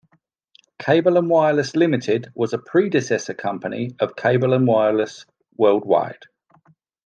Cable and Wireless Limited was a predecessor company of Cable and Wireless Worldwide.